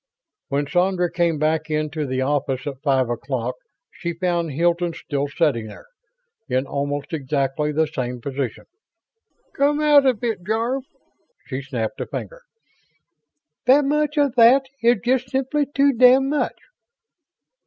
When Sandra came back into the office at five o'clock she found Hilton still sitting there, in almost exactly the same position. "Come out of it, Jarve!" She snapped a finger. "That much of that is just simply too damned much."